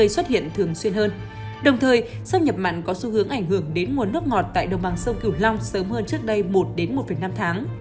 hai nghìn một mươi sáu hai nghìn một mươi chín hai nghìn hai mươi xuất hiện thường xuyên hơn đồng thời xâm nhập mặn có xu hướng ảnh hưởng đến nguồn nước ngọt tại đồng bằng sông kiều long sớm hơn trước đây một một năm tháng